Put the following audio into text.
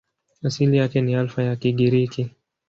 Asili yake ni Alfa ya Kigiriki.